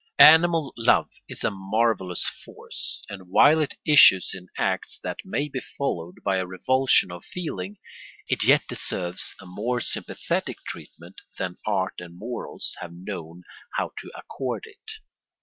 ] Animal love is a marvellous force; and while it issues in acts that may be followed by a revulsion of feeling, it yet deserves a more sympathetic treatment than art and morals have known how to accord it.